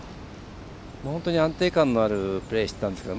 本当に安定感のあるプレーしてたんですけど。